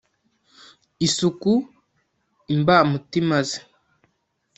isuku imbamutima ze;